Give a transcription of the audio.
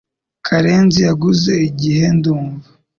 Karenzi yaguze igihe ndumva